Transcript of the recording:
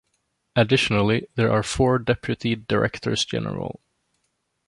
Additionally, there are four deputy directors-general.